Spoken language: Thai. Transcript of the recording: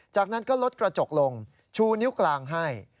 จากนั้นก็ลดกระจกลงชูนิ้วกลางให้